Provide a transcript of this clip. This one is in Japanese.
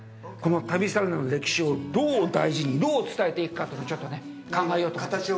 この旅サラダの歴史をどう大事にどう伝えていくかをちょっと考えようかと。